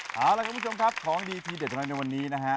เอาล่ะครับคุณผู้ชมครับของดีที่เด็ดตรงนั้นในวันนี้นะฮะ